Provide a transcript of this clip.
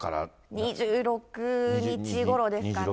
２６日ごろですかね。